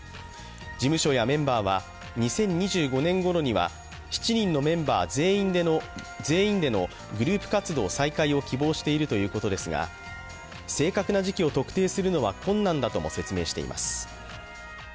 事務所やメンバーは、２０２５年ごろには７人のメンバー全員でのグループ活動再開を希望しているということですが、正確な時期を特定するのは困難だとも説明しています。